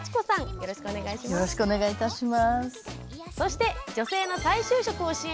よろしくお願いします。